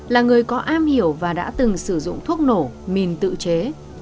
là người có am hiểu và đã từng sử dụng thuốc nổ mìn tự chế